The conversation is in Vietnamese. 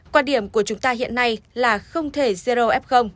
quan điểm của chúng ta hiện nay là không thể zero f